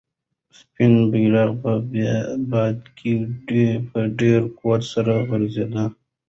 سپین بیرغ په باد کې په ډېر قوت سره غوځېده.